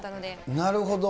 なるほど。